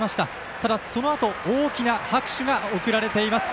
ただ、そのあと大きな拍手に包まれています。